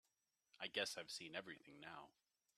I guess I've seen everything now.